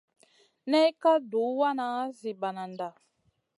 Nay ka duhw wana zi banada.